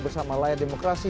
bersama layar demokrasi